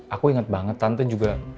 aku inget banget tante juga